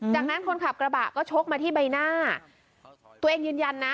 จากนั้นคนขับกระบะก็ชกมาที่ใบหน้าตัวเองยืนยันนะ